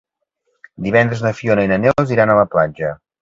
Divendres na Fiona i na Neus iran a la platja.